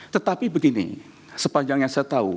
tetapi begini sepanjang yang saya tahu